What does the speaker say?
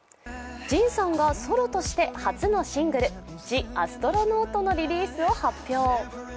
ＪＩＮさんがソロとして初のシングル「ＴｈｅＡｓｔｒｏｎａｕｔ」のリリースを発表